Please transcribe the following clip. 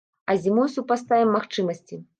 А зімой супаставім магчымасці.